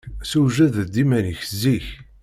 Sewjed-d iman-ik zik.